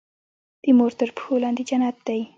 د مور تر پښو لاندي جنت دی.